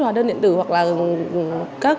hóa đơn điện tử hoặc là các